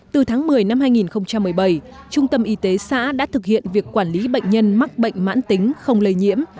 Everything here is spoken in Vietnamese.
từ tháng một mươi năm hai nghìn một mươi bảy trung tâm y tế xã đã thực hiện việc quản lý bệnh nhân mắc bệnh mãn tính không lây nhiễm